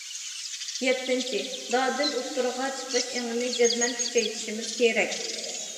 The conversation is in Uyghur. يەتتىنچى، دادىل ئوتتۇرىغا چىقىش ئېڭىنى جەزمەن كۈچەيتىشىمىز كېرەك.